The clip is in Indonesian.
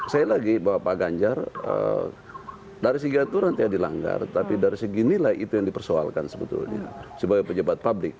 saya lagi bahwa pak ganjar dari segi aturan tidak dilanggar tapi dari segi nilai itu yang dipersoalkan sebetulnya sebagai pejabat publik